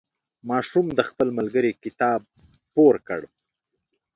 ماشوم د خپل ملګري کتاب پور کړ.